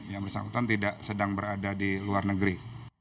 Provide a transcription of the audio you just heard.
yang bersangkutan tidak sedang berada di luar negeri